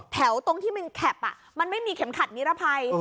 แถวตรงที่มีแคปอ่ะมันไม่มีเข็มขัดนิรภัย